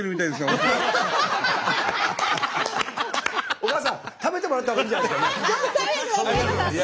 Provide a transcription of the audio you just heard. おかあさん食べてもらったほうがいいんじゃないですかね。